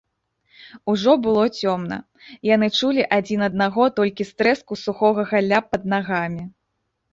Ужо было цёмна, яны чулі адзін аднаго толькі з трэску сухога галля пад нагамі.